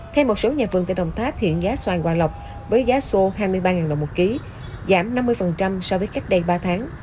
theo một số nhà vườn tại đồng tháp hiện giá xoài hòa lọc với giá số hai mươi ba đồng một kg giảm năm mươi so với cách đây ba tháng